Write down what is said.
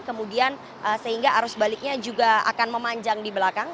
kemudian sehingga arus baliknya juga akan memanjang di belakang